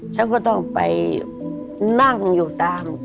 ฉันก็ต้องไปนั่งตาม